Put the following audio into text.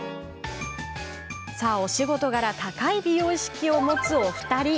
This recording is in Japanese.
仕事柄、高い美容意識を持つお二人。